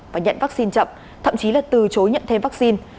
và nhận vaccine chậm thậm chí là từ chối nhận thêm vaccine